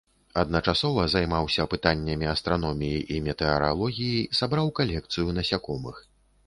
Адначасова займаўся пытаннямі астраноміі і метэаралогіі, сабраў калекцыю насякомых.